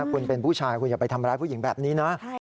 คุณเป็นผู้ชายคุณอย่าไปทำร้ายผู้หญิงแบบนี้นะ